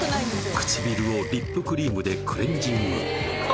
唇をリップクリームでクレンジング